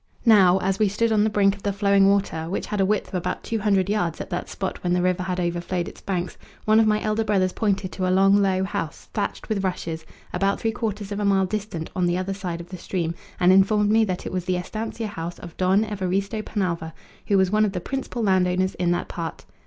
Now, as we stood on the brink of the flowing water, which had a width of about two hundred yards at that spot when the river had overflowed its banks, one of my elder brothers pointed to a long low house, thatched with rushes, about three quarters of a mile distant on the other side of the stream, and informed me that it was the estancia house of Don Evaristo Penalva, who was one of the principal landowners in that part.